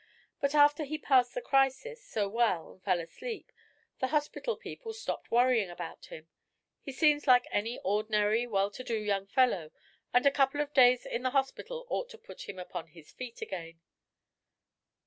But after he passed the crisis so well and fell asleep, the hospital people stopped worrying about him. He seems like any ordinary, well to do young fellow, and a couple of days in the hospital ought to put him upon his feet again."